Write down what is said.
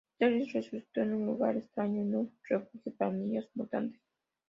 Stryker resurgió en un lugar extraño en un refugio para niños mutantes.